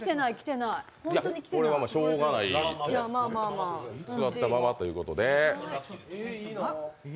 これはしようがない、座ったままということで。